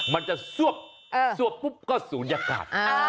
มันจะซวบปุ๊บก็ศูนยากาศ